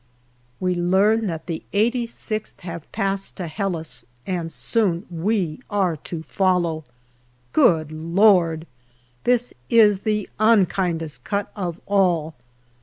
We learn that the 86th have passed to Helles, and soon we are to follow. Good Lord ! This is the unkindest cut of all.